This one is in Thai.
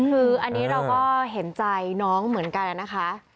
คืออันนี้เราก็เห็นใจน้องเหมือนกันนะคะ